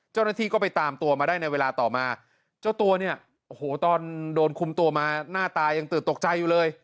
เจ้าหน้าที่ก็ไปตามตัวมาได้ในเวลาต่อมาเจ้าตัวเนี่ยโอ้โหตอนโดนคุมตัวมาหน้าตายังตื่นตกใจอยู่เลย